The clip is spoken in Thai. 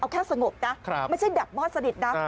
เอาแค่สงบนะไม่ใช่ดับมอดสนิทนะ